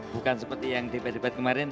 bukan seperti yang debat debat kemarin